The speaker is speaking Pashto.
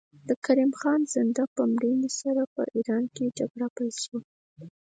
د کریم خان زند په مړینې سره په ایران کې جګړه پیل شوه.